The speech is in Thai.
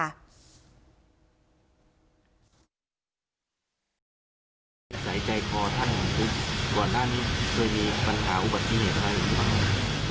ใส่ใจขอท่านหลุงทุกข์ก่อนหน้านี้เคยมีปัญหาอุบัติที่เหนือใครหรือเปล่า